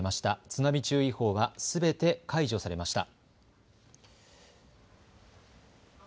津波注意報はすべて解除されました。